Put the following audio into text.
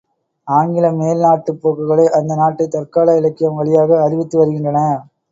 ஆங்கிலம் மேல் நாட்டுப் போக்குகளை அந்த நாட்டுத் தற்கால இலக்கியம் வழியாக அறிவித்து வருகின்றன.